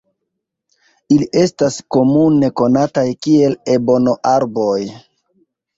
Ili estas komune konataj kiel ebono-arboj.